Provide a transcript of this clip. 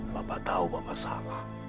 bapak tau bapak salah